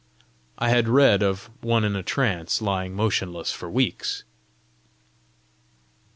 I had read of one in a trance lying motionless for weeks!